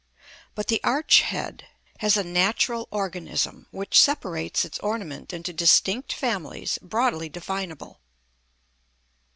But the arch head has a natural organism, which separates its ornament into distinct families, broadly definable.